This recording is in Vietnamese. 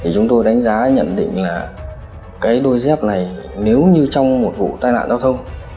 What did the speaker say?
chúng tôi đánh giá nhận định là cái đôi dép này nếu như trong một vụ tai nạn giao thông